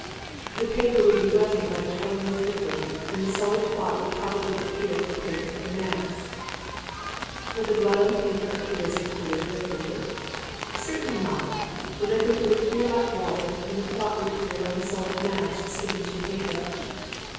"The paper would be wetted by the colourless liquid, and the solid clot would probably adhere to the paper in a mass." "Would the blood on the paper appear as a clear, red liquid?" "Certainly not. The liquid would appear like water, and the clot would appear as a solid mass sticking to the paper."